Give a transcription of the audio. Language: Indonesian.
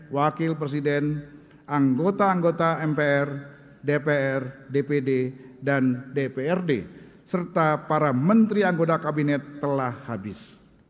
wakil presiden anggota anggota mpr dpr dpd dan dprd serta para menteri anggota kabinet telah habis